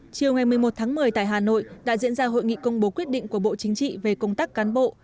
chiều ngày một mươi một tháng một mươi tại hà nội đã diễn ra hội nghị công bố quyết định của bộ chính trị về công tác cán bộ